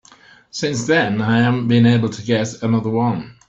Since then I haven't been able to get another one.